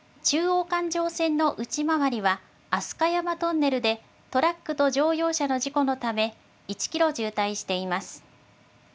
中央環状線の内回りは、あすかやまトンネルでトラックと乗用車の事故のため、１キロ渋滞しています。